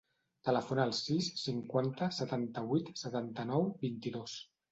Telefona al sis, cinquanta, setanta-vuit, setanta-nou, vint-i-dos.